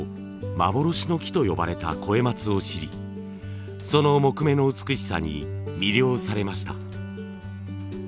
幻の木と呼ばれた肥松を知りその木目の美しさに魅了されました。